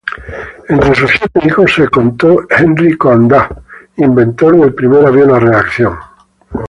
Entre sus siete hijos se contó Henri Coandă, inventor del primer avión a reacción.